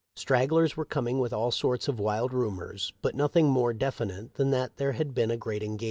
Stragglers were coming with all sorts of wild rumors, but nothing more definite than that there had been a great engagement ; and army.'